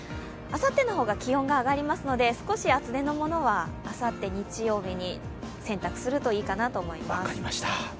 あさっての方が気温が上がりますので少し厚手のものはあさって日曜日に洗濯するといいかなと思います。